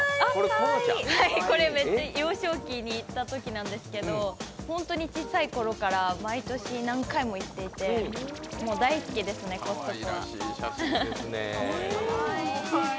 これ幼少期に行ったときなんですけど、本当にちっちゃいころから毎年、何回も行っていて、大好きですね、コストコ。